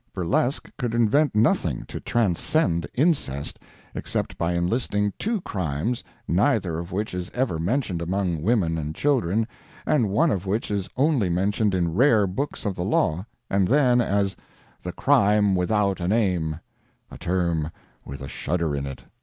Burlesque could invent nothing to transcend incest, except by enlisting two crimes, neither of which is ever mentioned among women and children, and one of which is only mentioned in rare books of the law, and then as "the crime without a name"—a term with a shudder in it!